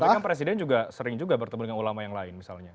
tapi kan presiden juga sering juga bertemu dengan ulama yang lain misalnya